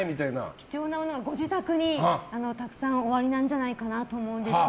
貴重なものがご自宅にたくさんおありなんじゃないかと思うんですが。